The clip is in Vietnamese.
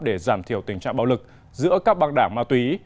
để giảm thiểu tình trạng bạo lực giữa các băng đảng ma túy